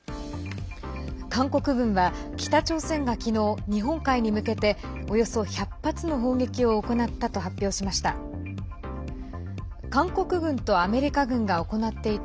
韓国軍は北朝鮮が昨日、日本海に向けておよそ１００発の砲撃を行ったと発表しました。